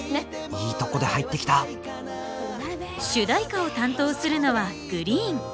いいとこで入ってきた主題歌を担当するのはＧＲｅｅｅｅＮ。